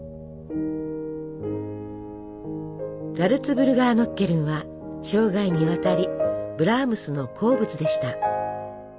ザルツブルガーノッケルンは生涯にわたりブラームスの好物でした。